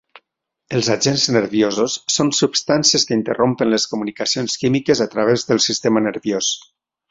Els agents nerviosos són substàncies que interrompen les comunicacions químiques a través del sistema nerviós.